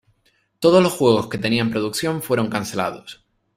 Todos los juegos que tenía en producción fueron cancelados.